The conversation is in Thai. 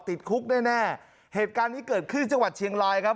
ติดคุกแน่แน่เหตุการณ์นี้เกิดขึ้นจังหวัดเชียงรายครับ